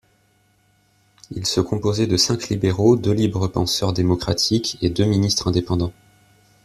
Il se composait de cinq libéraux, deux libres penseurs démocratiques, et deux ministres indépendants.